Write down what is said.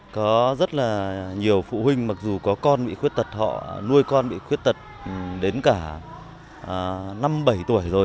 có rất là nhiều phụ huynh mặc dù có con bị khuyết tật họ nuôi con bị khuyết tật đến cả năm bảy tuổi rồi